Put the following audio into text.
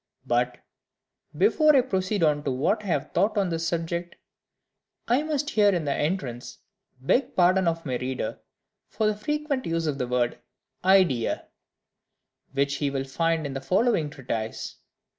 But, before I proceed on to what I have thought on this subject, I must here in the entrance beg pardon of my reader for the frequent use of the word IDEA, which he will find in the following treatise.